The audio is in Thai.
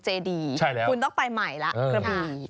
ใช่แล้วคุณต้องไปใหม่แล้วครับคุณอีกนิดนึงใช่